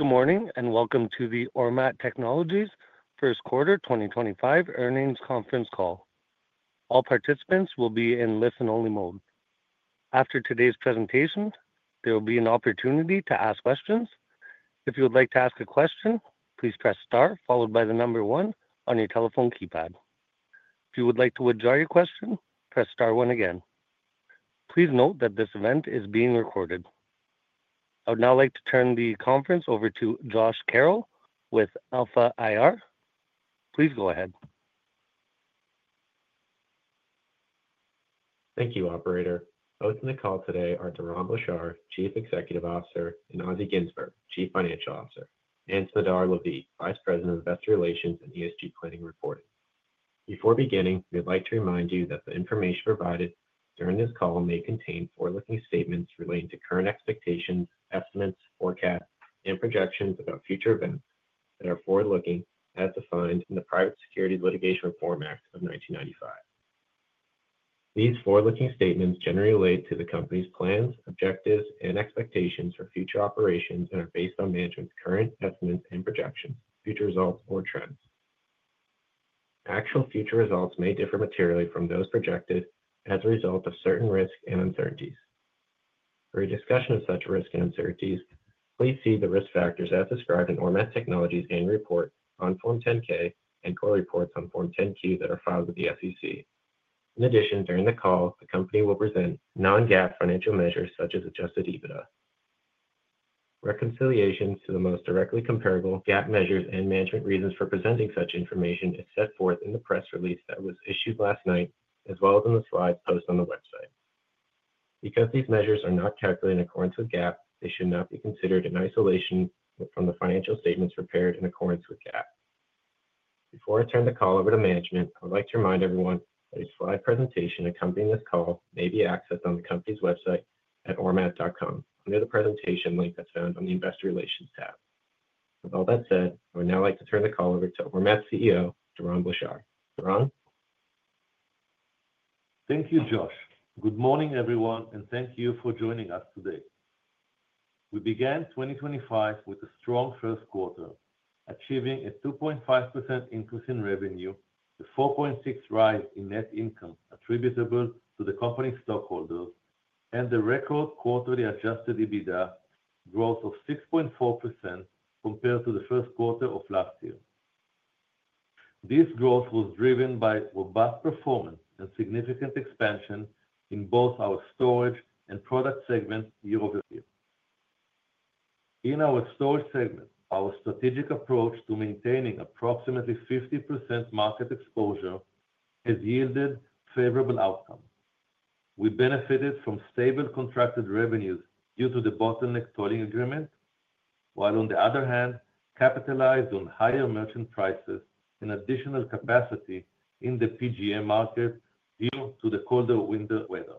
Good morning and welcome to the Ormat Technologies First Quarter 2025 earnings conference call. All participants will be in listen-only mode. After today's presentations, there will be an opportunity to ask questions. If you would like to ask a question, please press star followed by the number one on your telephone keypad. If you would like to withdraw your question, press star one again. Please note that this event is being recorded. I would now like to turn the conference over to Josh Carroll with Alpha IR. Please go ahead. Thank you, Operator. Both in the call today are Doron Blachar, Chief Executive Officer, and Assi Ginzburg, Chief Financial Officer, and Smadar Lavi, Vice President of Investor Relations and ESG Planning Reporting. Before beginning, we'd like to remind you that the information provided during this call may contain forward-looking statements relating to current expectations, estimates, forecasts, and projections about future events that are forward-looking as defined in the Private Securities Litigation Reform Act of 1995. These forward-looking statements generally relate to the company's plans, objectives, and expectations for future operations and are based on management's current estimates and projections, future results, or trends. Actual future results may differ materially from those projected as a result of certain risks and uncertainties. For a discussion of such risks and uncertainties, please see the risk factors as described in Ormat Technologies' annual report on Form 10-K and core reports on Form 10-Q that are filed with the SEC. In addition, during the call, the company will present non-GAAP financial measures such as adjusted EBITDA. Reconciliations to the most directly comparable GAAP measures and management reasons for presenting such information are set forth in the press release that was issued last night, as well as in the slides posted on the website. Because these measures are not calculated in accordance with GAAP, they should not be considered in isolation from the financial statements prepared in accordance with GAAP. Before I turn the call over to management, I would like to remind everyone that a slide presentation accompanying this call may be accessed on the company's website at ormat.com under the presentation link that's found on the Investor Relations tab. With all that said, I would now like to turn the call over to Ormat's CEO, Doron Blachar. Doron? Thank you, Josh. Good morning, everyone, and thank you for joining us today. We began 2025 with a strong first quarter, achieving a 2.5% increase in revenue, a 4.6% rise in net income attributable to the company's stockholders, and a record quarterly adjusted EBITDA growth of 6.4% compared to the first quarter of last year. This growth was driven by robust performance and significant expansion in both our storage and product segments year-over-year. In our storage segment, our strategic approach to maintaining approximately 50% market exposure has yielded favorable outcomes. We benefited from stable contracted revenues due to the bottleneck tolling agreement, while on the other hand, capitalized on higher merchant prices and additional capacity in the PGA market due to the colder winter weather.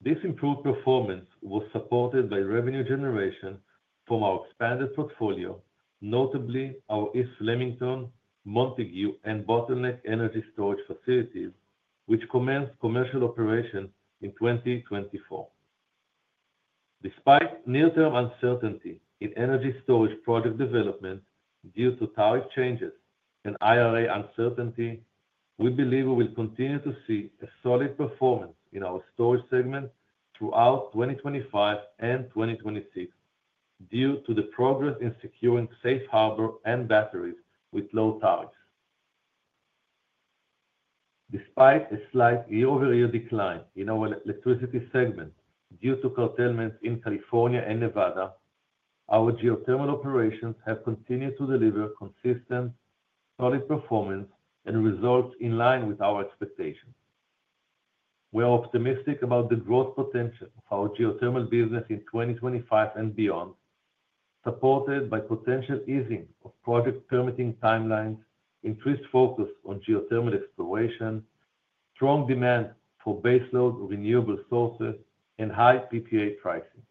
This improved performance was supported by revenue generation from our expanded portfolio, notably our East Flemington, Montague, and Bottleneck Energy Storage facilities, which commenced commercial operation in 2024. Despite near-term uncertainty in energy storage project development due to tariff changes and IRA uncertainty, we believe we will continue to see a solid performance in our storage segment throughout 2025 and 2026 due to the progress in securing safe harbor and batteries with low tariffs. Despite a slight year-over-year decline in our electricity segment due to curtailments in California and Nevada, our geothermal operations have continued to deliver consistent solid performance and results in line with our expectations. We are optimistic about the growth potential of our geothermal business in 2025 and beyond, supported by potential easing of project permitting timelines, increased focus on geothermal exploration, strong demand for baseload renewable sources, and high PPA pricing.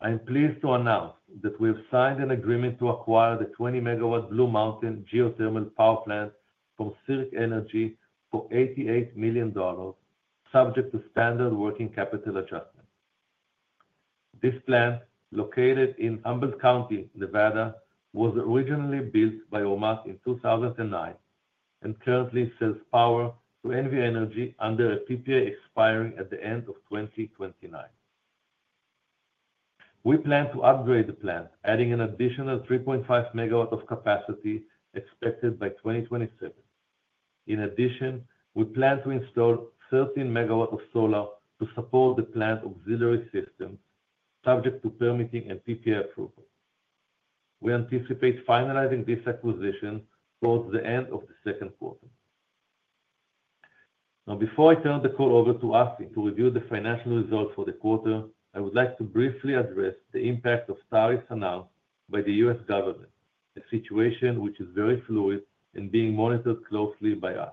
I am pleased to announce that we have signed an agreement to acquire the 20 MW Blue Mountain Geothermal Power Plant from Circ Energy for $88 million, subject to standard working capital adjustment. This plant, located in Humboldt County, Nevada, was originally built by Ormat in 2009 and currently sells power to NV Energy under a PPA expiring at the end of 2029. We plan to upgrade the plant, adding an additional 3.5 MW of capacity expected by 2027. In addition, we plan to install 13 MW of solar to support the plant's auxiliary systems, subject to permitting and PPA approval. We anticipate finalizing this acquisition towards the end of the second quarter. Now, before I turn the call over to Assi Ginzburg to review the financial results for the quarter, I would like to briefly address the impact of tariffs announced by the U.S. government, a situation which is very fluid and being monitored closely by us.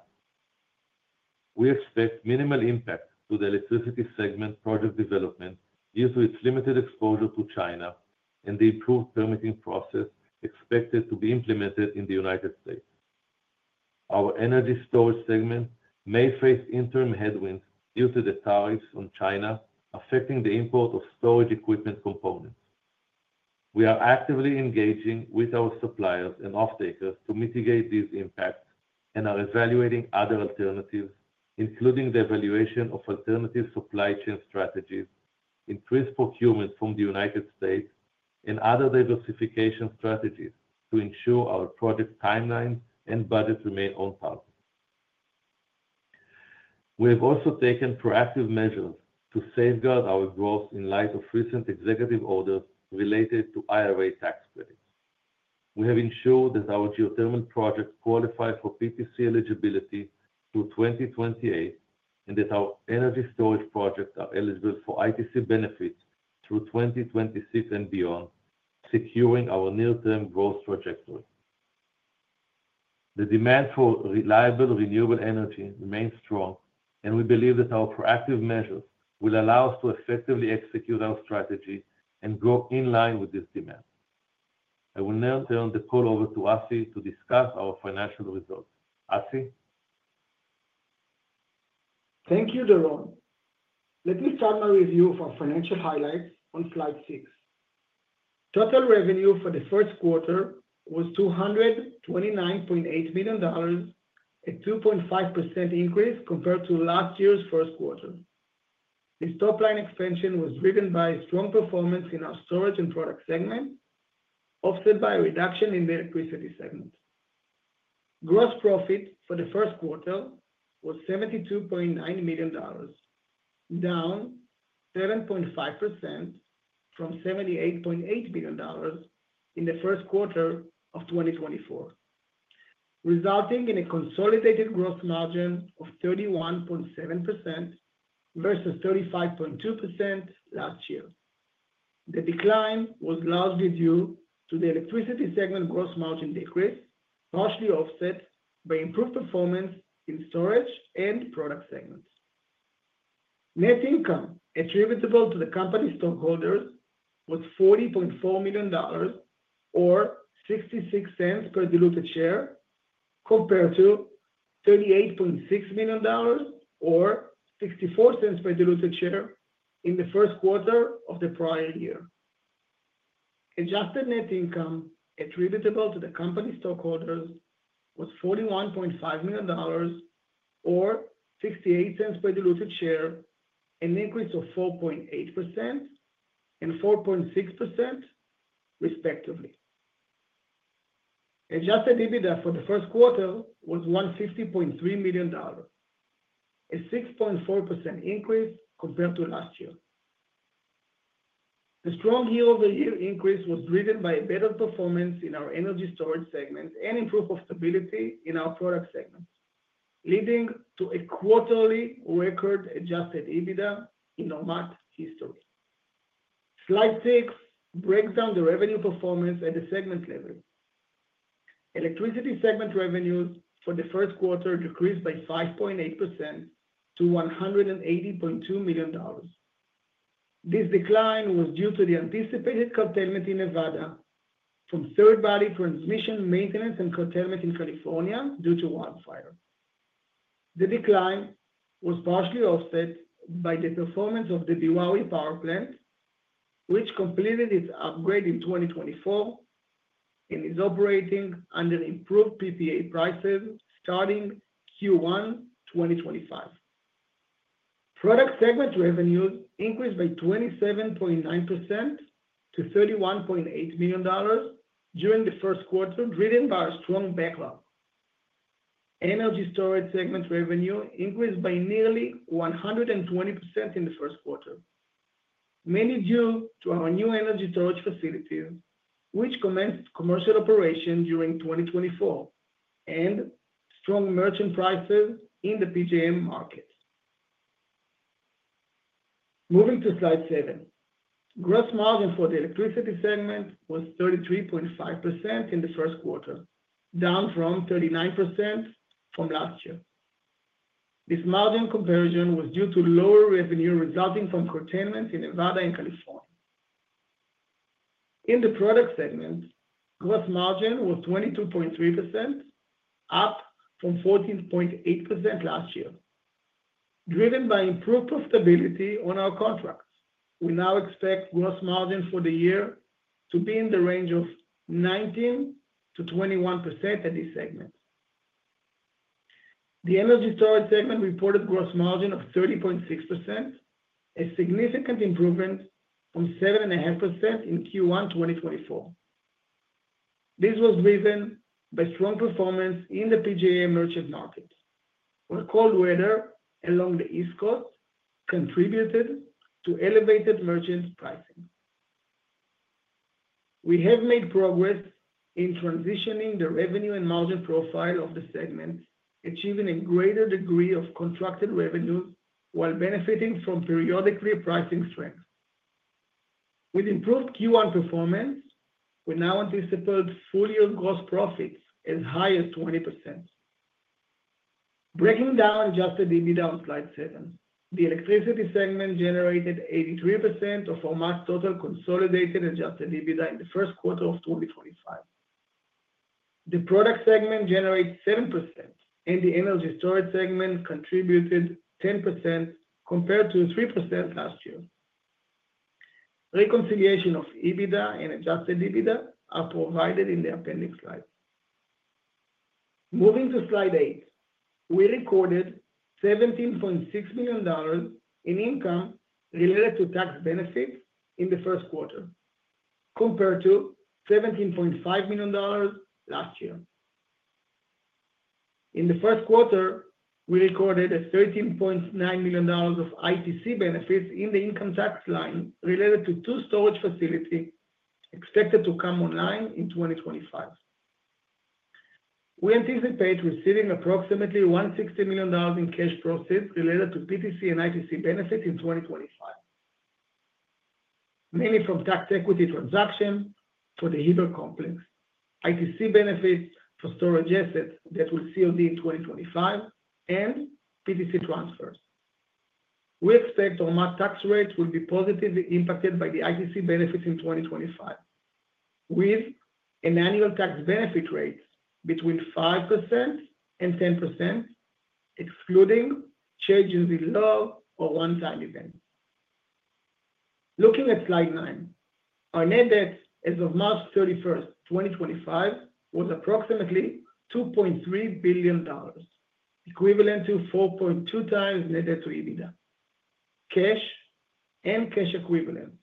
We expect minimal impact to the electricity segment project development due to its limited exposure to China and the improved permitting process expected to be implemented in the United States. Our energy storage segment may face interim headwinds due to the tariffs on China affecting the import of storage equipment components. We are actively engaging with our suppliers and off-takers to mitigate these impacts and are evaluating other alternatives, including the evaluation of alternative supply chain strategies, increased procurement from the United States, and other diversification strategies to ensure our project timelines and budgets remain on target. We have also taken proactive measures to safeguard our growth in light of recent executive orders related to IRA tax credits. We have ensured that our geothermal projects qualify for PTC eligibility through 2028 and that our energy storage projects are eligible for ITC benefits through 2026 and beyond, securing our near-term growth trajectory. The demand for reliable renewable energy remains strong, and we believe that our proactive measures will allow us to effectively execute our strategy and grow in line with this demand. I will now turn the call over to Assi to discuss our financial results. Assi? Thank you, Doron. Let me summarize for you financial highlights on slide six. Total revenue for the first quarter was $229.8 million, a 2.5% increase compared to last year's first quarter. The top-line expansion was driven by strong performance in our storage and product segment, offset by a reduction in the electricity segment. Gross profit for the first quarter was $72.9 million, down 7.5% from $78.8 million in the first quarter of 2024, resulting in a consolidated gross margin of 31.7% versus 35.2% last year. The decline was largely due to the electricity segment gross margin decrease, partially offset by improved performance in storage and product segments. Net income attributable to the company's stockholders was $40.4 million, or $0.66 per diluted share, compared to $38.6 million, or $0.64 per diluted share in the first quarter of the prior year. Adjusted net income attributable to the company's stockholders was $41.5 million, or $0.68 per diluted share, an increase of 4.8% and 4.6%, respectively. Adjusted EBITDA for the first quarter was $150.3 million, a 6.4% increase compared to last year. The strong year-over-year increase was driven by better performance in our energy storage segment and improved stability in our product segments, leading to a quarterly record adjusted EBITDA in Ormat history. Slide six breaks down the revenue performance at the segment level. Electricity segment revenues for the first quarter decreased by 5.8% to $180.2 million. This decline was due to the anticipated curtailment in Nevada from third-party transmission maintenance and curtailment in California due to wildfire. The decline was partially offset by the performance of the Biawui Power Plant, which completed its upgrade in 2024 and is operating under improved PPA prices starting Q1 2025. Product segment revenues increased by 27.9% to $31.8 million during the first quarter, driven by a strong backlog. Energy storage segment revenue increased by nearly 120% in the first quarter, mainly due to our new energy storage facility, which commenced commercial operation during 2024, and strong merchant prices in the PGA market. Moving to slide seven, gross margin for the electricity segment was 33.5% in the first quarter, down from 39% from last year. This margin comparison was due to lower revenue resulting from curtailment in Nevada and California. In the product segment, gross margin was 22.3%, up from 14.8% last year. Driven by improved stability on our contracts, we now expect gross margin for the year to be in the range of 19%-21% at these segments. The energy storage segment reported gross margin of 30.6%, a significant improvement from 7.5% in Q1 2024. This was driven by strong performance in the PGA merchant markets, where cold weather along the east coast contributed to elevated merchant pricing. We have made progress in transitioning the revenue and margin profile of the segment, achieving a greater degree of contracted revenues while benefiting from periodically pricing strength. With improved Q1 performance, we now anticipate full-year gross profits as high as 20%. Breaking down adjusted EBITDA on slide seven, the electricity segment generated 83% of Ormat's total consolidated adjusted EBITDA in the first quarter of 2025. The product segment generates 7%, and the energy storage segment contributed 10% compared to 3% last year. Reconciliation of EBITDA and adjusted EBITDA are provided in the appendix slide. Moving to slide eight, we recorded $17.6 million in income related to tax benefits in the first quarter, compared to $17.5 million last year. In the first quarter, we recorded $13.9 million of ITC benefits in the income tax line related to two storage facilities expected to come online in 2025. We anticipate receiving approximately $160 million in cash profits related to PTC and ITC benefits in 2025, mainly from tax equity transactions for the Hebrew complex, ITC benefits for storage assets that will COD in 2025, and PTC transfers. We expect Ormat tax rates will be positively impacted by the ITC benefits in 2025, with an annual tax benefit rate between 5% and 10%, excluding changes in law or one-time events. Looking at slide nine, our net debt as of March 31st, 2025, was approximately $2.3 billion, equivalent to 4.2 times net debt to EBITDA. Cash and cash equivalents,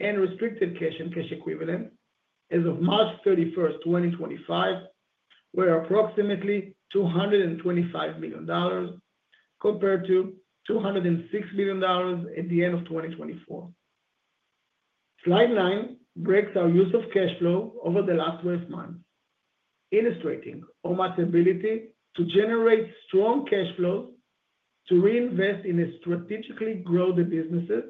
and restricted cash and cash equivalents as of March 31st, 2025, were approximately $225 million compared to $206 million at the end of 2024. Slide nine breaks our use of cash flow over the last 12 months, illustrating Ormat's ability to generate strong cash flows to reinvest in strategically grow the businesses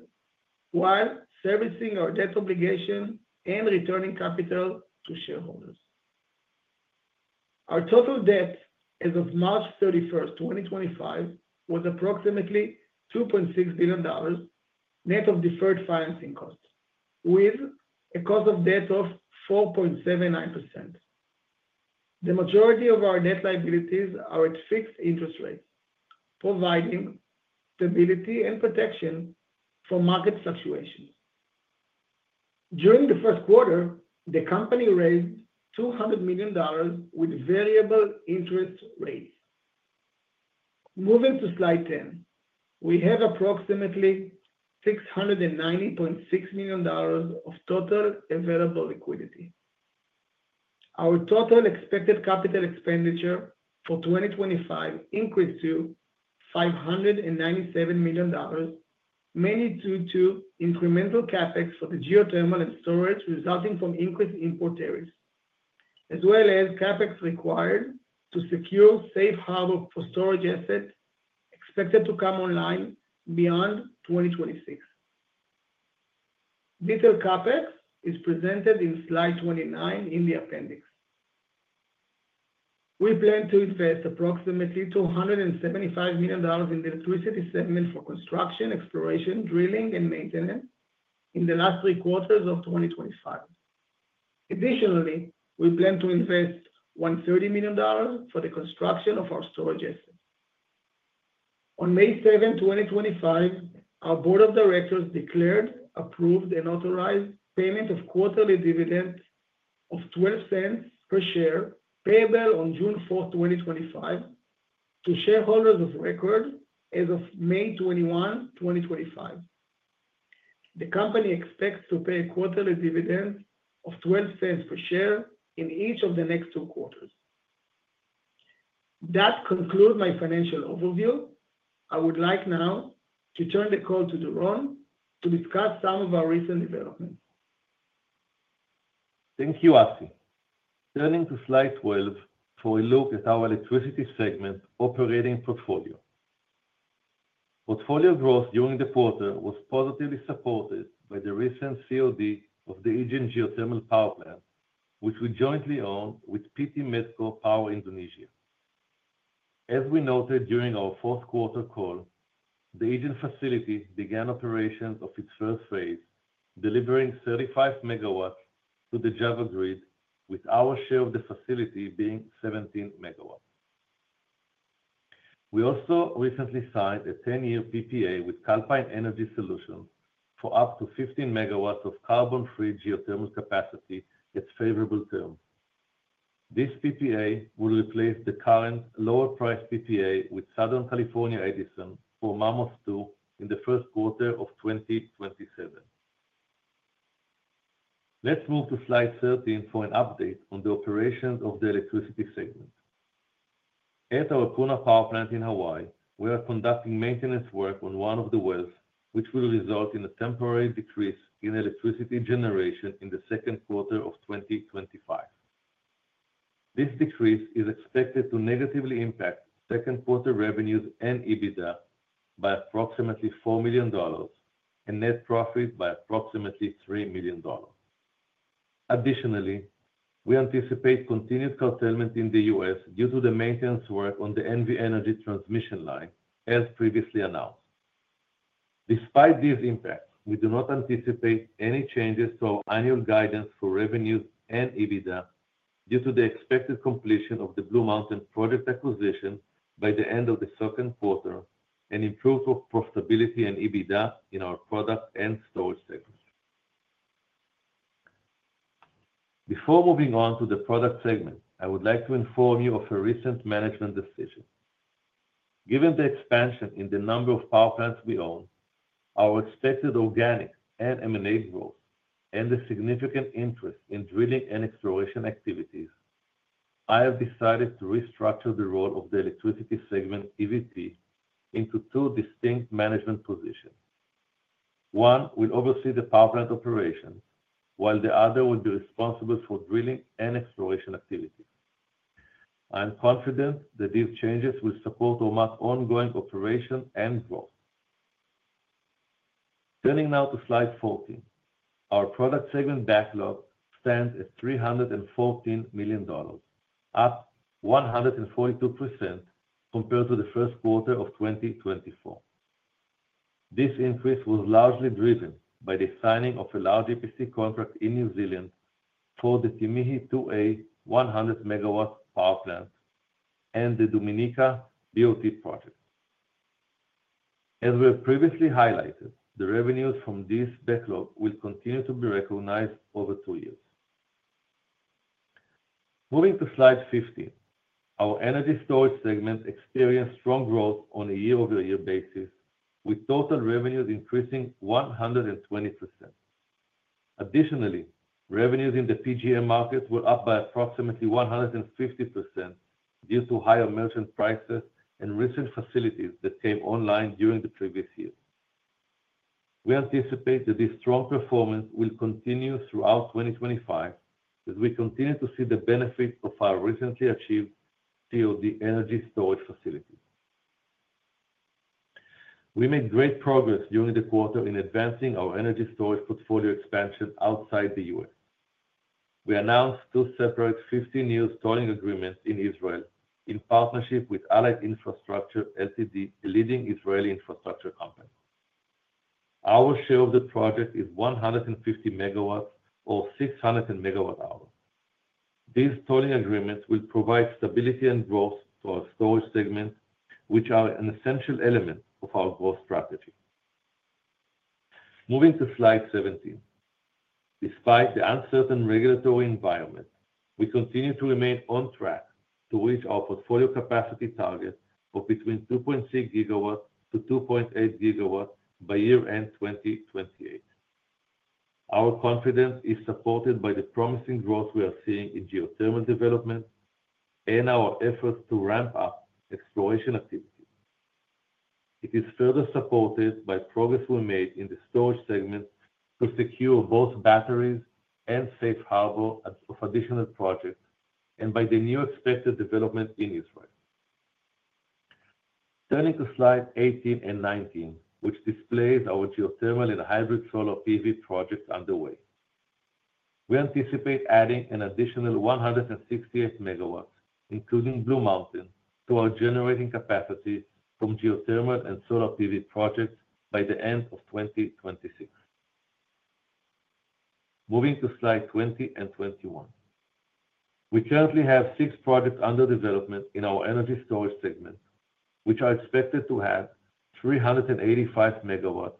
while servicing our debt obligation and returning capital to shareholders. Our total debt as of March 31st, 2025, was approximately $2.6 billion net of deferred financing costs, with a cost of debt of 4.79%. The majority of our debt liabilities are at fixed interest rates, providing stability and protection from market fluctuations. During the first quarter, the company raised $200 million with variable interest rates. Moving to slide ten, we have approximately $690.6 million of total available liquidity. Our total expected capital expenditure for 2025 increased to $597 million, mainly due to incremental CapEx for the geothermal and storage resulting from increased import tariffs, as well as CapEx required to secure safe harbor for storage assets expected to come online beyond 2026. Detailed CapEx is presented in slide 29 in the appendix. We plan to invest approximately $275 million in the electricity segment for construction, exploration, drilling, and maintenance in the last three quarters of 2025. Additionally, we plan to invest $130 million for the construction of our storage assets. On May 7th, 2025, our board of directors declared, approved, and authorized payment of quarterly dividend of $0.12 per share, payable on June 4th, 2025, to shareholders of record as of May 21st, 2025. The company expects to pay a quarterly dividend of $0.12 per share in each of the next two quarters. That concludes my financial overview. I would like now to turn the call to Doron to discuss some of our recent developments. Thank you, Assi. Turning to slide 12 for a look at our electricity segment operating portfolio. Portfolio growth during the quarter was positively supported by the recent COD of the Aegean Geothermal Power Plant, which we jointly own with PT Medco Power Indonesia. As we noted during our fourth quarter call, the Aegean facility began operations of its first phase, delivering 35 MW to the Java grid, with our share of the facility being 17 MW. We also recently signed a 10-year PPA with Calpine Energy Solutions for up to 15 MW of carbon-free geothermal capacity at favorable terms. This PPA will replace the current lower-priced PPA with Southern California Edison for Mammoth II in the first quarter of 2027. Let's move to slide 13 for an update on the operations of the electricity segment. At our Puna Power Plant in Hawaii, we are conducting maintenance work on one of the wells, which will result in a temporary decrease in electricity generation in the second quarter of 2025. This decrease is expected to negatively impact second quarter revenues and EBITDA by approximately $4 million and net profit by approximately $3 million. Additionally, we anticipate continued curtailment in the U.S. due to the maintenance work on the Envi Energy transmission line, as previously announced. Despite these impacts, we do not anticipate any changes to our annual guidance for revenues and EBITDA due to the expected completion of the Blue Mountain project acquisition by the end of the second quarter and improved profitability and EBITDA in our product and storage segment. Before moving on to the product segment, I would like to inform you of a recent management decision. Given the expansion in the number of power plants we own, our expected organic and M&A growth, and the significant interest in drilling and exploration activities, I have decided to restructure the role of the electricity segment, EVP, into two distinct management positions. One will oversee the power plant operations, while the other will be responsible for drilling and exploration activities. I'm confident that these changes will support Ormat's ongoing operation and growth. Turning now to slide 14, our product segment backlog stands at $314 million, up 142% compared to the first quarter of 2024. This increase was largely driven by the signing of a large EPC contract in New Zealand for the Temihi 2A 100 MW power plant and the Dominica BOT project. As we have previously highlighted, the revenues from this backlog will continue to be recognized over two years. Moving to slide 15, our energy storage segment experienced strong growth on a year-over-year basis, with total revenues increasing 120%. Additionally, revenues in the PGA markets were up by approximately 150% due to higher merchant prices and recent facilities that came online during the previous year. We anticipate that this strong performance will continue throughout 2025, as we continue to see the benefits of our recently achieved COD energy storage facilities. We made great progress during the quarter in advancing our energy storage portfolio expansion outside the U.S. We announced two separate 15-year stalling agreements in Israel in partnership with Allied Infrastructure LTD, a leading Israeli infrastructure company. Our share of the project is 150 MW or 600 MWh. These stalling agreements will provide stability and growth to our storage segment, which are an essential element of our growth strategy. Moving to slide 17, despite the uncertain regulatory environment, we continue to remain on track to reach our portfolio capacity target of between 2.6 GW and 2.8 gigawatts by year-end 2028. Our confidence is supported by the promising growth we are seeing in geothermal development and our efforts to ramp up exploration activity. It is further supported by progress we made in the storage segment to secure both batteries and safe harbor of additional projects and by the new expected development in Israel. Turning to slide 18 and 19, which displays our geothermal and hybrid solar PV projects underway, we anticipate adding an additional 168 MW, including Blue Mountain, to our generating capacity from geothermal and solar PV projects by the end of 2026. Moving to slide 20 and 21, we currently have six projects under development in our energy storage segment, which are expected to add 385 MW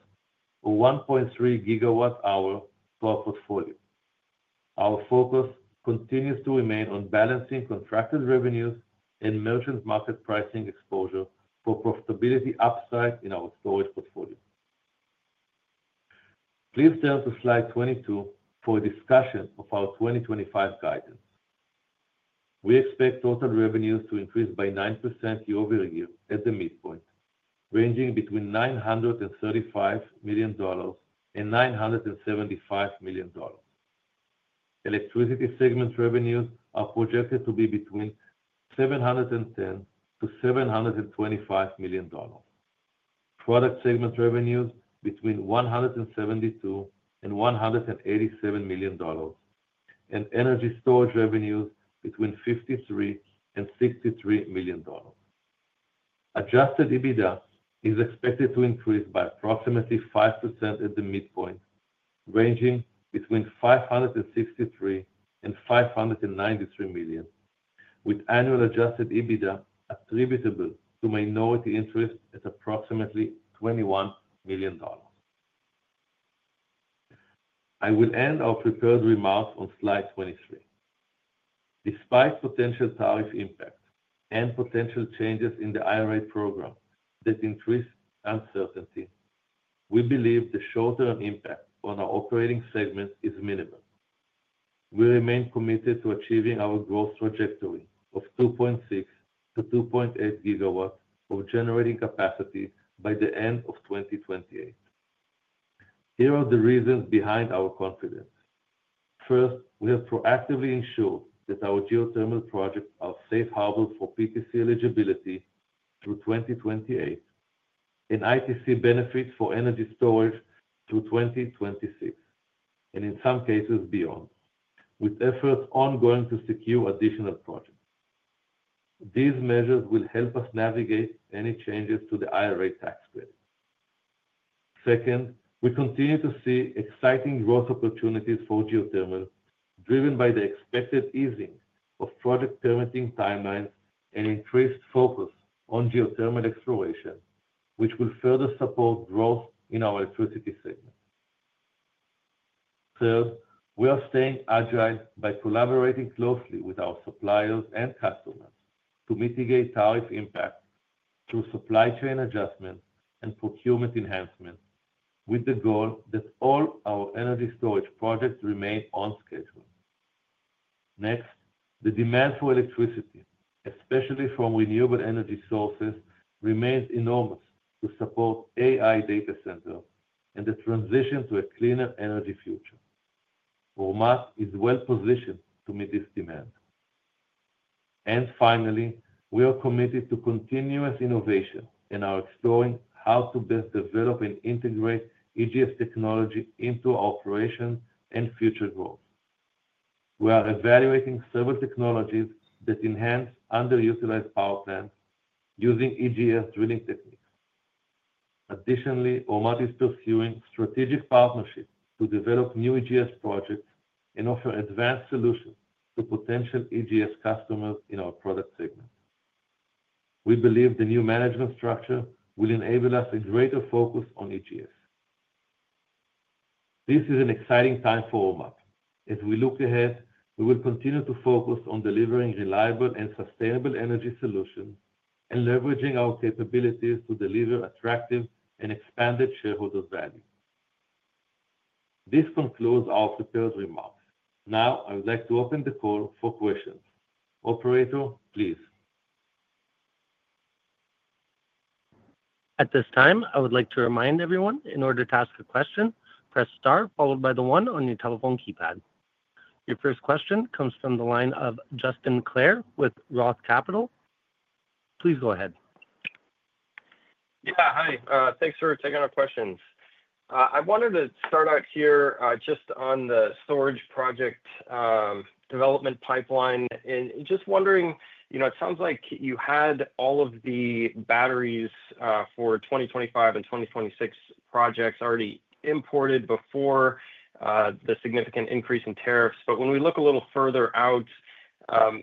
or 1.3 GWh to our portfolio. Our focus continues to remain on balancing contracted revenues and merchant market pricing exposure for profitability upside in our storage portfolio. Please turn to slide 22 for a discussion of our 2025 guidance. We expect total revenues to increase by 9% year-over-year at the midpoint, ranging between $935 million and $975 million. Electricity segment revenues are projected to be between $710 million-$725 million, product segment revenues between $172 million-$187 million, and energy storage revenues between $53 million-$63 million. Adjusted EBITDA is expected to increase by approximately 5% at the midpoint, ranging between $563 million and $593 million, with annual adjusted EBITDA attributable to minority interest at approximately $21 million. I will end our prepared remarks on slide 23. Despite potential tariff impact and potential changes in the IRA program that increase uncertainty, we believe the short-term impact on our operating segment is minimal. We remain committed to achieving our growth trajectory of 2.6 GW-2.8 GW of generating capacity by the end of 2028. Here are the reasons behind our confidence. First, we have proactively ensured that our geothermal projects are safe harbors for PTC eligibility through 2028 and ITC benefits for energy storage through 2026, and in some cases beyond, with efforts ongoing to secure additional projects. These measures will help us navigate any changes to the IRA tax credit. Second, we continue to see exciting growth opportunities for geothermal, driven by the expected easing of project permitting timelines and increased focus on geothermal exploration, which will further support growth in our electricity segment. Third, we are staying agile by collaborating closely with our suppliers and customers to mitigate tariff impact through supply chain adjustments and procurement enhancements, with the goal that all our energy storage projects remain on schedule. Next, the demand for electricity, especially from renewable energy sources, remains enormous to support AI data centers and the transition to a cleaner energy future. Ormat is well positioned to meet this demand. Finally, we are committed to continuous innovation in our exploring how to best develop and integrate EGS technology into our operations and future growth. We are evaluating several technologies that enhance underutilized power plants using EGS drilling techniques. Additionally, Ormat is pursuing strategic partnerships to develop new EGS projects and offer advanced solutions to potential EGS customers in our product segment. We believe the new management structure will enable us a greater focus on EGS. This is an exciting time for Ormat. As we look ahead, we will continue to focus on delivering reliable and sustainable energy solutions and leveraging our capabilities to deliver attractive and expanded shareholder value. This concludes our prepared remarks. Now, I would like to open the call for questions. Operator, please. At this time, I would like to remind everyone, in order to ask a question, press star, followed by the one on your telephone keypad. Your first question comes from the line of Justin Clare with Roth Capital. Please go ahead. Yeah, hi. Thanks for taking our questions. I wanted to start out here just on the storage project development pipeline. I am just wondering, you know, it sounds like you had all of the batteries for 2025 and 2026 projects already imported before the significant increase in tariffs. When we look a little further out,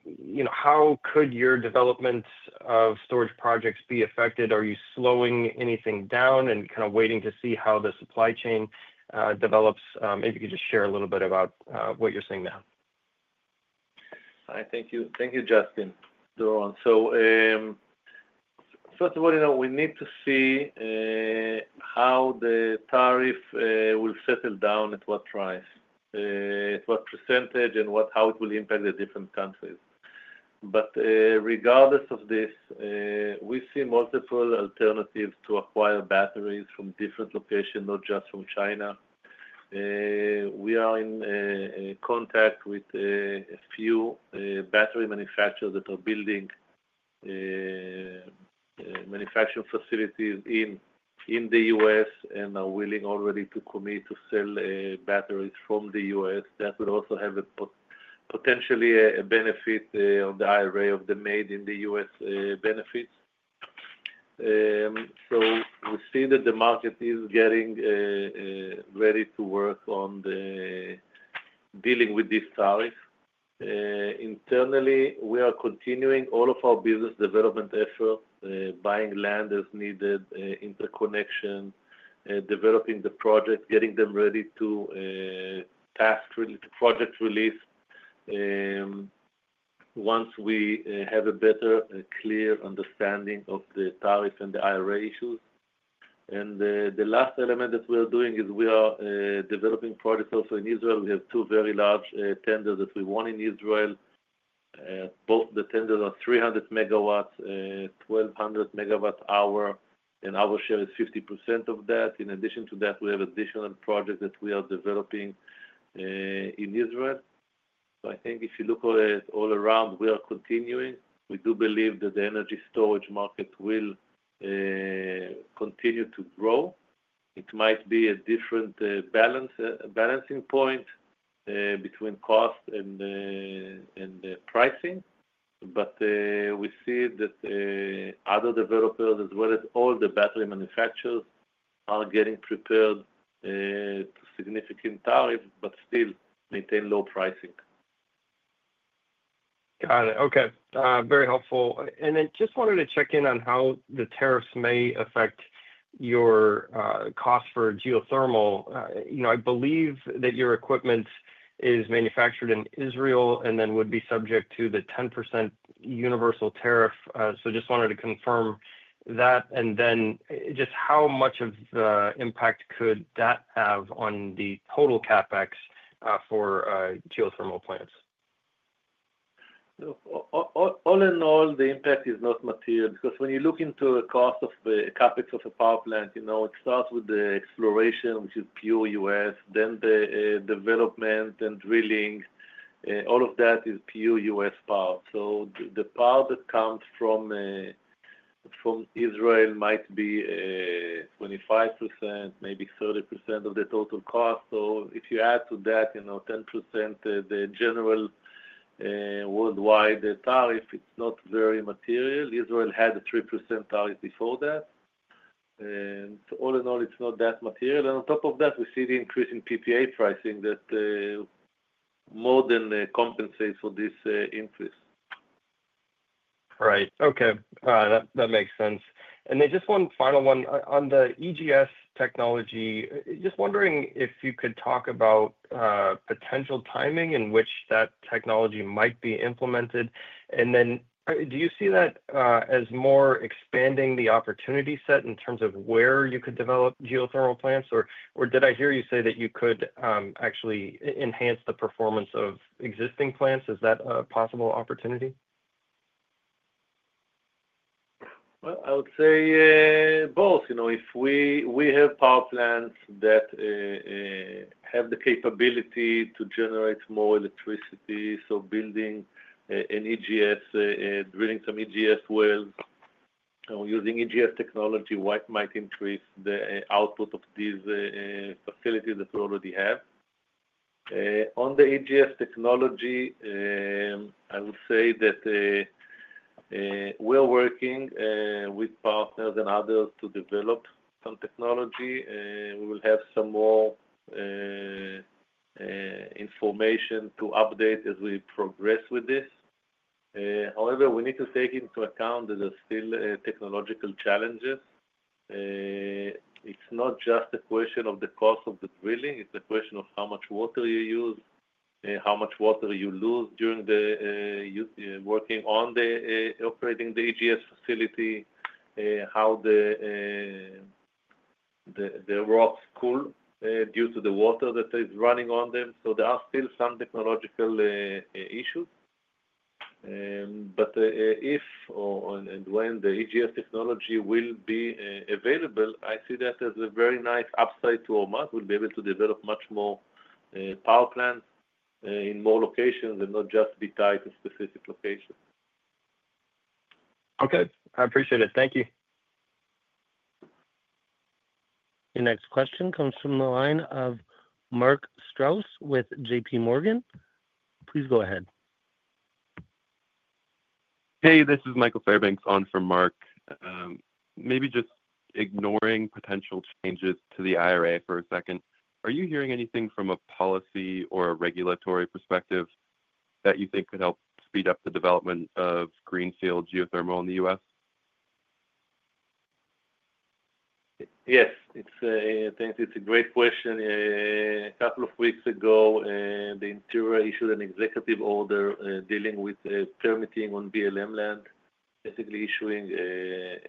you know, how could your development of storage projects be affected? Are you slowing anything down and kind of waiting to see how the supply chain develops? Maybe you could just share a little bit about what you're seeing now. Hi, thank you. Thank you, Justin, Doron. First of all, you know, we need to see how the tariff will settle down at what price, at what percentage, and how it will impact the different countries. Regardless of this, we see multiple alternatives to acquire batteries from different locations, not just from China. We are in contact with a few battery manufacturers that are building manufacturing facilities in the U.S. and are willing already to commit to sell batteries from the U.S. That would also have potentially a benefit on the IRA of the made in the U.S. benefits. We see that the market is getting ready to work on dealing with this tariff. Internally, we are continuing all of our business development efforts, buying land as needed, interconnection, developing the project, getting them ready to task project release once we have a better clear understanding of the tariff and the IRA issues. The last element that we are doing is we are developing projects also in Israel. We have two very large tenders that we won in Israel. Both the tenders are 300 MW, 1,200 MWh, and our share is 50% of that. In addition to that, we have additional projects that we are developing in Israel. I think if you look at it all around, we are continuing. We do believe that the energy storage market will continue to grow. It might be a different balancing point between cost and pricing. We see that other developers, as well as all the battery manufacturers, are getting prepared to significant tariffs, but still maintain low pricing. Got it. Okay. Very helpful. I just wanted to check in on how the tariffs may affect your cost for geothermal. You know, I believe that your equipment is manufactured in Israel and then would be subject to the 10% universal tariff. I just wanted to confirm that. How much of the impact could that have on the total CapEx for geothermal plants? All in all, the impact is not material because when you look into the cost of the CapEx of a power plant, you know, it starts with the exploration, which is pure U.S. Then the development and drilling, all of that is pure U.S. power. So the power that comes from Israel might be 25% maybe 30% of the total cost. If you add to that, you know, 10%, the general worldwide tariff, it is not very material. Israel had a 3% tariff before that. All in all, it is not that material. On top of that, we see the increase in PPA pricing that more than compensates for this increase. Right. Okay. That makes sense. Just one final one on the EGS technology. Just wondering if you could talk about potential timing in which that technology might be implemented. Do you see that as more expanding the opportunity set in terms of where you could develop geothermal plants? Or did I hear you say that you could actually enhance the performance of existing plants? Is that a possible opportunity? I would say both. You know, if we have power plants that have the capability to generate more electricity, building an EGS, drilling some EGS wells, or using EGS technology might increase the output of these facilities that we already have. On the EGS technology, I would say that we're working with partners and others to develop some technology. We will have some more information to update as we progress with this. However, we need to take into account that there are still technological challenges. It's not just a question of the cost of the drilling. It's a question of how much water you use, how much water you lose during working on operating the EGS facility, how the rocks cool due to the water that is running on them. There are still some technological issues. If and when the EGS technology will be available, I see that as a very nice upside to Ormat. We'll be able to develop much more power plants in more locations and not just be tied to specific locations. Okay. I appreciate it. Thank you. Your next question comes from the line of Mark Strauss with JPMorgan. Please go ahead. Hey, this is Michael Fairbanks on for Mark. Maybe just ignoring potential changes to the IRA for a second. Are you hearing anything from a policy or a regulatory perspective that you think could help speed up the development of greenfield geothermal in the U.S.? Yes. It's a great question. A couple of weeks ago, the Interior issued an executive order dealing with permitting on BLM land, basically issuing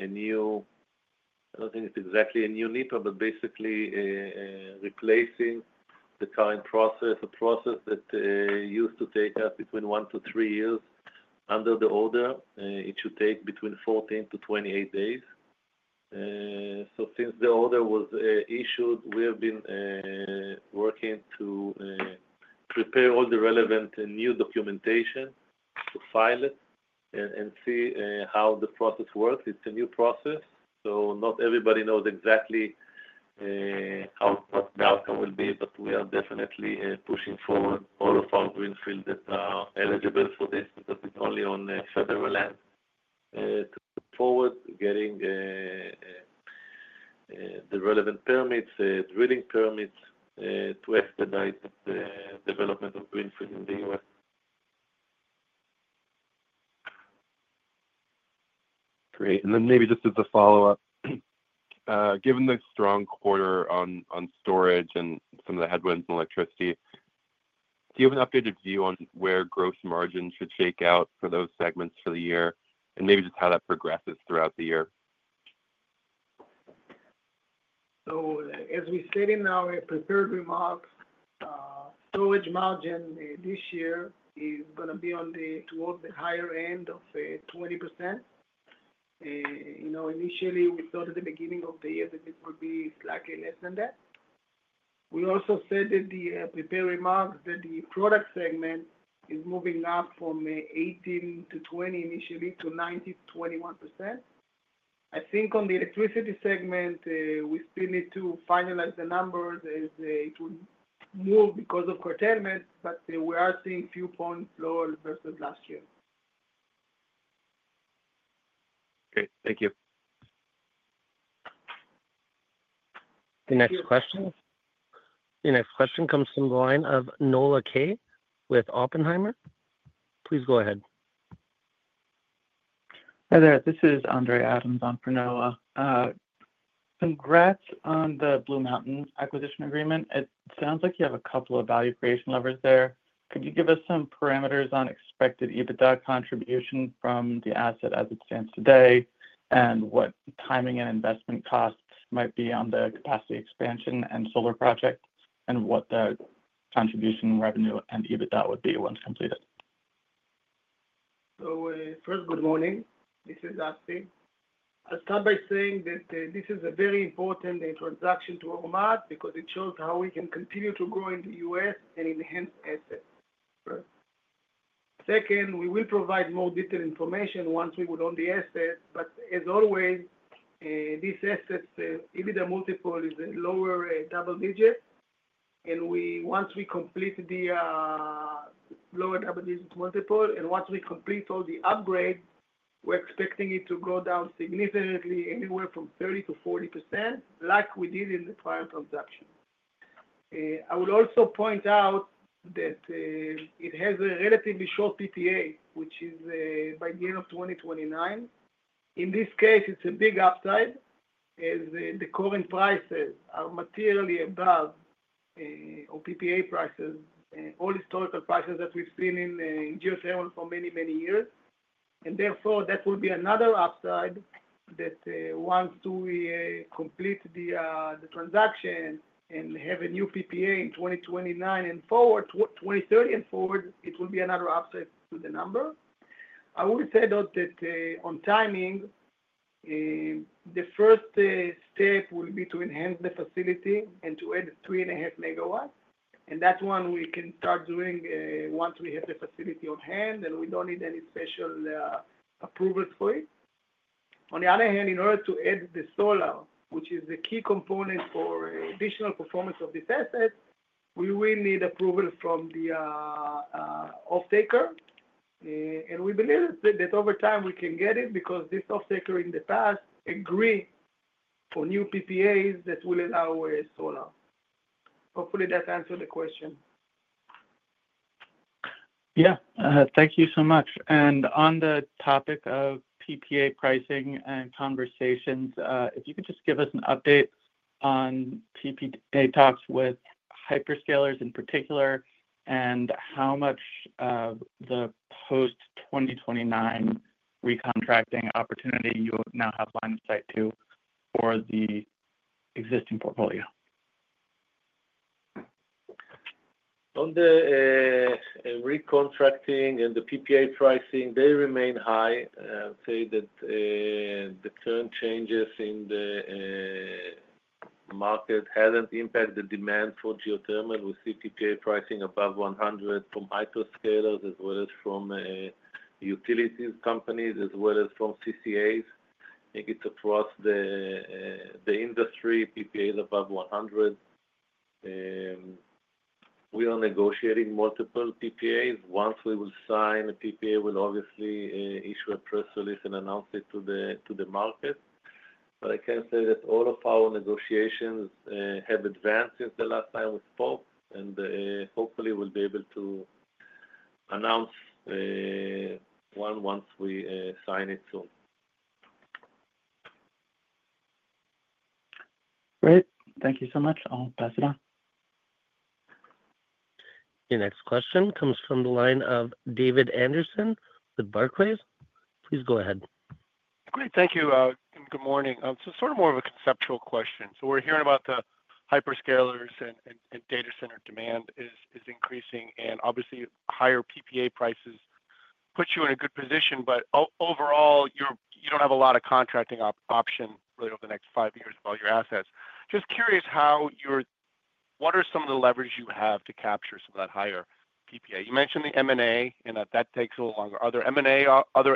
a new, I don't think it's exactly a new NEPA, but basically replacing the current process, a process that used to take us between one to three years. Under the order, it should take between 14-28 days. Since the order was issued, we have been working to prepare all the relevant new documentation to file it and see how the process works. It's a new process. Not everybody knows exactly how the outcome will be, but we are definitely pushing forward all of our greenfield that are eligible for this because it's only on federal land. To move forward, getting the relevant permits, drilling permits to expedite the development of greenfield in the U.S. Great. Maybe just as a follow-up, given the strong quarter on storage and some of the headwinds in electricity, do you have an updated view on where gross margins should shake out for those segments for the year? Maybe just how that progresses throughout the year. As we said in our prepared remarks, storage margin this year is going to be towards the higher end of 20%. You know, initially, we thought at the beginning of the year that it would be slightly less than that. We also said in the prepared remarks that the product segment is moving up from 18%-20% initially to 19%-21%. I think on the electricity segment, we still need to finalize the numbers as it will move because of curtailment, but we are seeing a few points lower versus last year. Great. Thank you. Your next question comes from the line of Noah Kaye with Oppenheimer. Please go ahead. Hi there. This is Andre Adams on for Noah. Congrats on the Blue Mountain acquisition agreement. It sounds like you have a couple of value creation levers there. Could you give us some parameters on expected EBITDA contribution from the asset as it stands today and what timing and investment costs might be on the capacity expansion and solar project and what the contribution revenue and EBITDA would be once completed? First, good morning. This is Assi. I'll start by saying that this is a very important transaction to Ormat because it shows how we can continue to grow in the U.S. and enhance assets. Second, we will provide more detailed information once we own the assets. As always, this asset's EBITDA multiple is a lower double digit. Once we complete all the upgrades, we're expecting it to go down significantly, anywhere from 30%-40%, like we did in the prior transaction. I would also point out that it has a relatively short PPA, which is by the end of 2029. In this case, it's a big upside as the current prices are materially above our PPA prices, all historical prices that we've seen in geothermal for many, many years. Therefore, that will be another upside that once we complete the transaction and have a new PPA in 2029 and forward, 2030 and forward, it will be another upside to the number. I would say that on timing, the first step will be to enhance the facility and to add 3.5 MW. That one we can start doing once we have the facility on hand and we do not need any special approvals for it. On the other hand, in order to add the solar, which is the key component for additional performance of this asset, we will need approval from the off-taker. We believe that over time we can get it because this off-taker in the past agreed for new PPAs that will allow solar. Hopefully, that answered the question. Yeah. Thank you so much. On the topic of PPA pricing and conversations, if you could just give us an update on PPA talks with hyperscalers in particular and how much of the post-2029 recontracting opportunity you now have line of sight to for the existing portfolio. On the recontracting and the PPA pricing, they remain high. I would say that the current changes in the market haven't impacted the demand for geothermal. We see PPA pricing above $100 from hyperscalers as well as from utilities companies, as well as from CCAs. I think it's across the industry, PPAs above $100. We are negotiating multiple PPAs. Once we will sign a PPA, we'll obviously issue a press release and announce it to the market. I can say that all of our negotiations have advanced since the last time we spoke. Hopefully, we'll be able to announce one once we sign it soon. Great. Thank you so much. I'll pass it on. Your next question comes from the line of David Anderson with Barclays. Please go ahead. Great. Thank you. Good morning. Sort of more of a conceptual question. We're hearing about the hyperscalers and data center demand is increasing. Obviously, higher PPA prices put you in a good position, but overall, you do not have a lot of contracting option really over the next five years of all your assets. Just curious how you're—what are some of the levers you have to capture some of that higher PPA? You mentioned the M&A, and that takes a little longer. Are there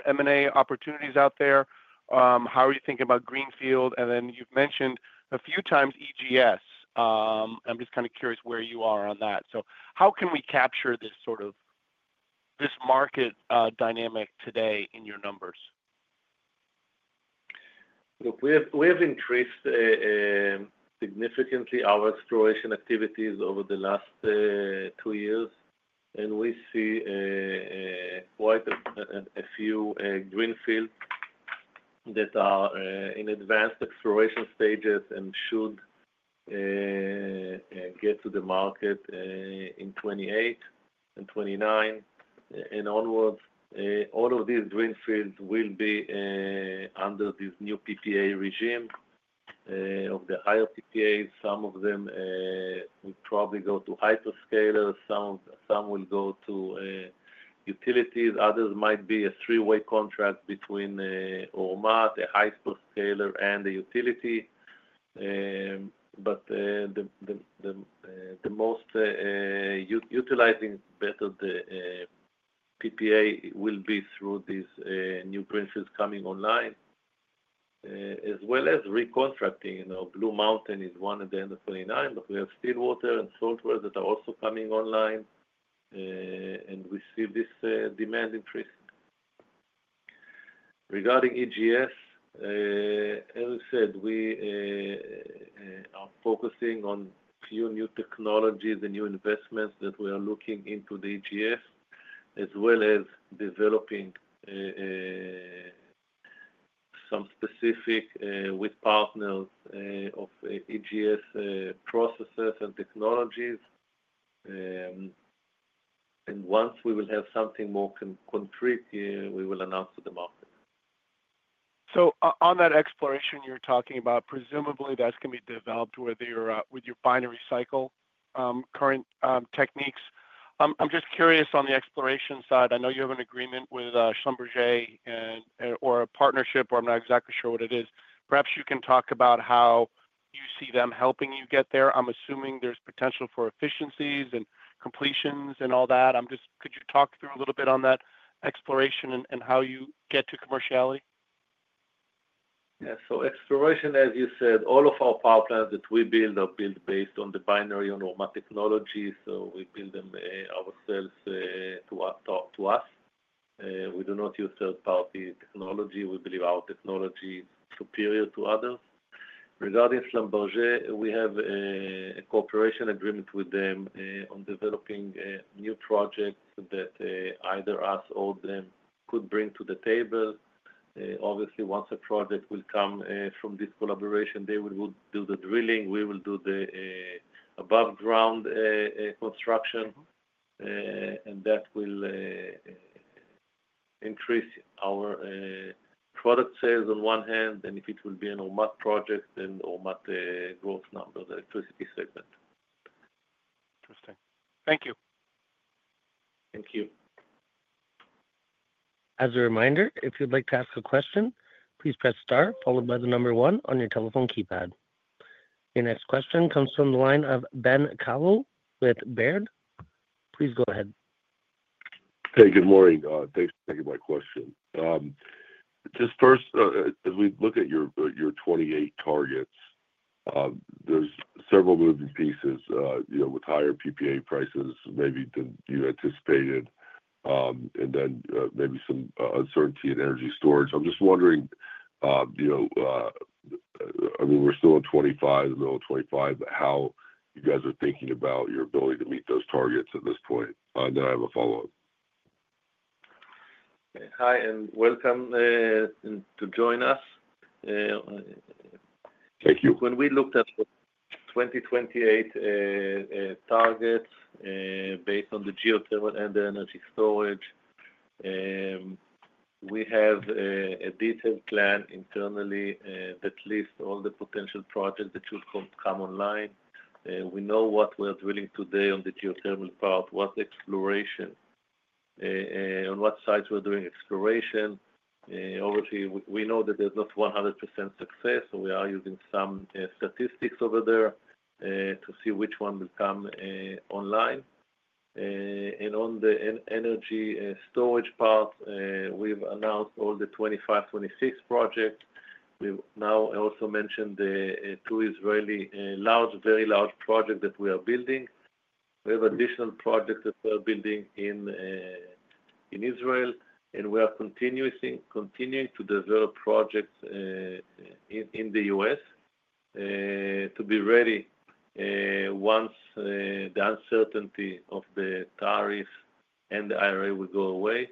M&A opportunities out there? How are you thinking about greenfield? You have mentioned a few times EGS. I'm just kind of curious where you are on that. How can we capture this sort of market dynamic today in your numbers? Look, we have increased significantly our exploration activities over the last two years. We see quite a few greenfields that are in advanced exploration stages and should get to the market in 2028 and 2029 and onwards. All of these greenfields will be under this new PPA regime of the higher PPAs. Some of them will probably go to hyperscalers. Some will go to utilities. Others might be a three-way contract between Ormat, a hyperscaler, and a utility. The most utilizing bet of the PPA will be through these new greenfields coming online, as well as recontracting. You know, Blue Mountain is one at the end of 2029, but we have Steamboat and Salt Wells that are also coming online. We see this demand increasing. Regarding EGS, as I said, we are focusing on a few new technologies and new investments that we are looking into the EGS, as well as developing some specific with partners of EGS processes and technologies. Once we will have something more concrete, we will announce to the market. On that exploration you're talking about, presumably that's going to be developed with your binary cycle current techniques. I'm just curious on the exploration side. I know you have an agreement with Schlumberger or a partnership, or I'm not exactly sure what it is. Perhaps you can talk about how you see them helping you get there. I'm assuming there's potential for efficiencies and completions and all that. I'm just—could you talk through a little bit on that exploration and how you get to commerciality? Yeah. Exploration, as you said, all of our power plants that we build are built based on the binary on Ormat technology. We build them ourselves to us. We do not use third-party technology. We believe our technology is superior to others. Regarding Schlumberger, we have a cooperation agreement with them on developing new projects that either us or them could bring to the table. Obviously, once a project will come from this collaboration, they will do the drilling. We will do the above-ground construction. That will increase our product sales on one hand, and if it will be an Ormat project, then Ormat growth numbers, electricity segment. Interesting. Thank you. Thank you. As a reminder, if you'd like to ask a question, please press star followed by the number one on your telephone keypad. Your next question comes from the line of Ben Kallo with Baird. Please go ahead. Hey, good morning. Thanks for taking my question. Just first, as we look at your 2028 targets, there's several moving pieces with higher PPA prices, maybe than you anticipated, and then maybe some uncertainty in energy storage. I'm just wondering, I mean, we're still in 2025, in the middle of 2025, how you guys are thinking about your ability to meet those targets at this point. I have a follow-up. Hi, and welcome to join us. Thank you. When we looked at the 2028 targets based on the geothermal and the energy storage, we have a detailed plan internally that lists all the potential projects that should come online. We know what we're drilling today on the geothermal part, what's exploration, on what sites we're doing exploration. Obviously, we know that there's not 100% success, so we are using some statistics over there to see which one will come online. On the energy storage part, we've announced all the 2025, 2026 projects. We've now also mentioned two Israeli large, very large projects that we are building. We have additional projects that we are building in Israel. We are continuing to develop projects in the U.S. to be ready once the uncertainty of the tariffs and the IRA will go away.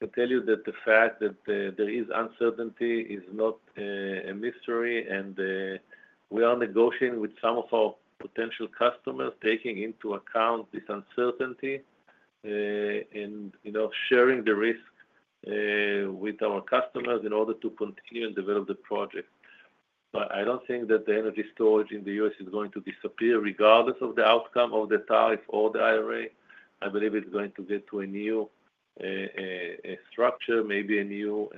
I can tell you that the fact that there is uncertainty is not a mystery. We are negotiating with some of our potential customers, taking into account this uncertainty and sharing the risk with our customers in order to continue and develop the project. I do not think that the energy storage in the U.S. is going to disappear regardless of the outcome of the tariff or the IRA. I believe it is going to get to a new structure, maybe a new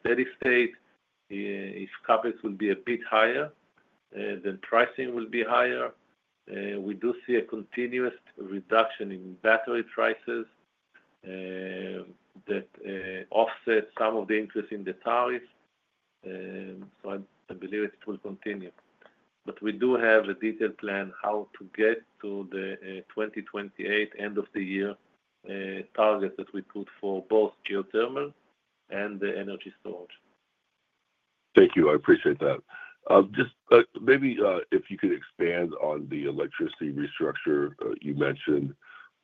steady state. If CapEx will be a bit higher, then pricing will be higher. We do see a continuous reduction in battery prices that offsets some of the interest in the tariffs. I believe it will continue. We do have a detailed plan how to get to the 2028 end of the year target that we put for both geothermal and the energy storage. Thank you. I appreciate that. Just maybe if you could expand on the electricity restructure you mentioned,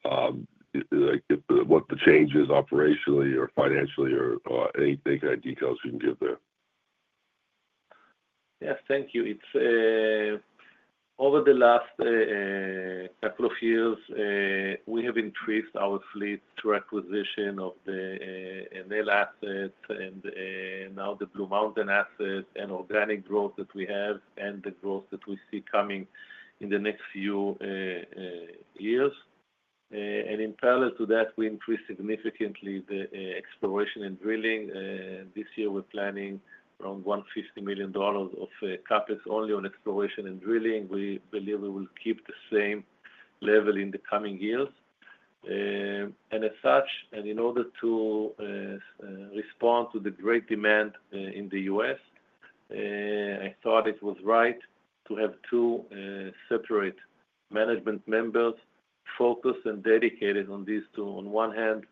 what the change is operationally or financially or any kind of details you can give there. Yes. Thank you. Over the last couple of years, we have increased our fleet through acquisition of the Enel assets and now the Blue Mountain assets and organic growth that we have and the growth that we see coming in the next few years. In parallel to that, we increased significantly the exploration and drilling. This year, we're planning around $150 million of CapEx only on exploration and drilling. We believe we will keep the same level in the coming years. As such, and in order to respond to the great demand in the U.S., I thought it was right to have two separate management members focused and dedicated on these two. On one hand,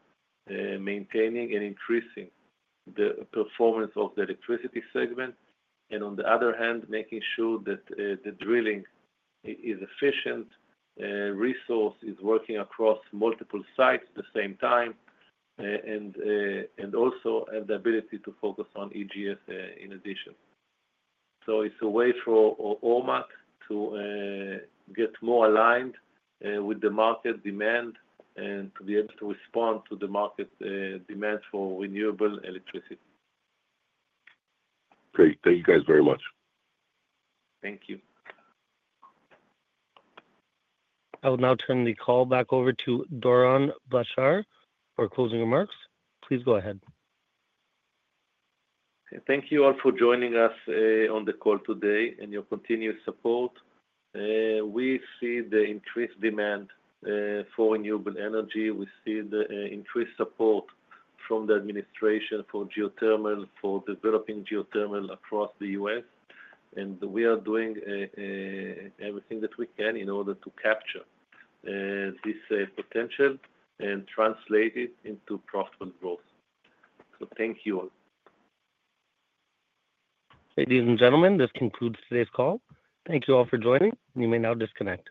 maintaining and increasing the performance of the electricity segment. On the other hand, making sure that the drilling is efficient, resource is working across multiple sites at the same time, and also have the ability to focus on EGS in addition. It is a way for Ormat to get more aligned with the market demand and to be able to respond to the market demand for renewable electricity. Great. Thank you guys very much. Thank you. I'll now turn the call back over to Doron Blachar for closing remarks. Please go ahead. Thank you all for joining us on the call today and your continued support. We see the increased demand for renewable energy. We see the increased support from the administration for geothermal, for developing geothermal across the U.S. We are doing everything that we can in order to capture this potential and translate it into profitable growth. Thank you all. Ladies and gentlemen, this concludes today's call. Thank you all for joining. You may now disconnect.